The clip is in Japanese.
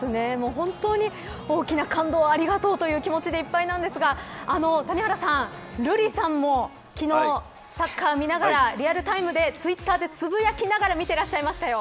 本当に大きな感動をありがとうという気持ちでいっぱいですが谷原さん、瑠麗さんも昨日サッカーを見ながらリアルタイムでツイッターでつぶやきながら見ていましたよ。